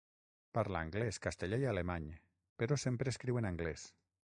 Parla anglès, castellà i alemany, però sempre escriu en anglès.